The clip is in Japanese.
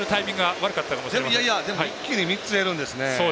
一気に３つ減るんですね。